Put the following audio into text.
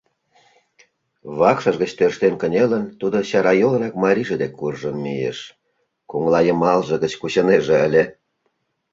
Вакшышыж гыч тӧрштен кынелын, тудо чарайолынак марийже дек куржын мийыш — коҥлайымалже гыч кучынеже ыле.